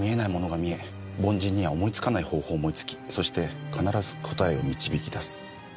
凡人には思いつかない方法を思いつきそして必ず答えを導き出す。